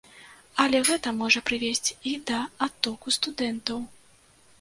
Але гэта можа прывесці і да адтоку студэнтаў.